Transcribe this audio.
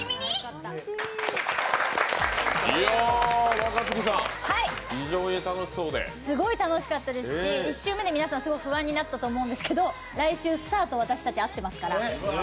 若槻さん、非常に楽しそうですごい楽しかったですし、１週目で皆さん、すごく不安になったと思いますが来週スターと私たち会ってますから。